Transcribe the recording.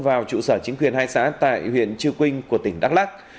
vào trụ sở chính quyền hai xã tại huyện chư quynh của tỉnh đắk lắc